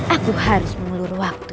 aku harus mengelur waktu